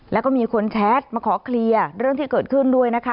แล้วก็มีคนแชทมาขอเคลียร์เรื่องที่เกิดขึ้นด้วยนะคะ